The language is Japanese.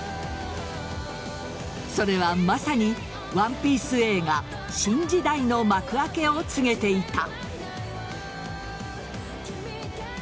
それは、まさに「ＯＮＥＰＩＥＣＥ」映画新時代の幕開けを告げていた。